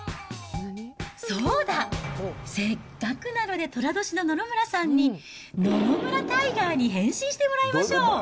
そうだ、せっかくなので、とら年の野々村さんに、野々村タイガーに変身してもらいましょう。